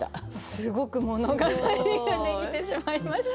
すごく物語ができてしまいました。